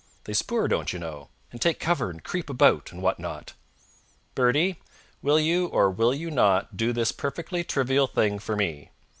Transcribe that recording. They spoor, don't you know, and take cover and creep about, and what not." "Bertie, will you or will you not do this perfectly trivial thing for me?